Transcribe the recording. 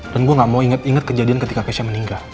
dan gue nggak mau inget inget kejadian ketika keisha meninggal